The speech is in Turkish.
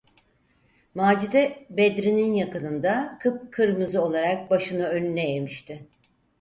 Macide, Bedri’nin yakınında, kıpkırmızı olarak başını önüne eğmişti.